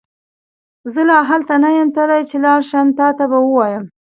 زه لا هلته نه يم تللی چې لاړشم تا ته به وويم